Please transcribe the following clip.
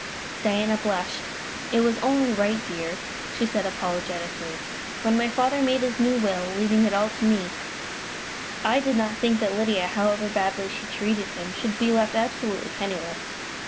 Diana blushed. "It was only right, dear," she said, apologetically. "When my father made his new will, leaving it all to me, I did not think that Lydia, however badly she treated him, should be left absolutely penniless.